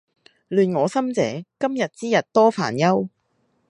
亂我心者，今日之日多煩憂！